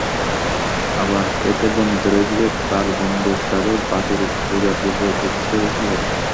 আবার এতে বর্ণিত রয়েছে যে, তার গম্বুজ তাদের বাছুর পূজার পূর্বে প্রতিষ্ঠিত হয়েছিল।